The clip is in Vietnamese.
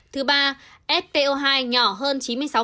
thứ ba sto hai nhỏ hơn chín mươi sáu